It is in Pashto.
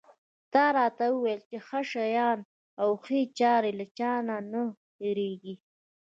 تا راته وویل چې ښه شیان او ښې چارې له چا نه نه هېرېږي.